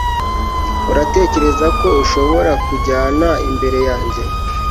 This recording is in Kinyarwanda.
uratekereza ko ushobora kunjyana imbere yanjye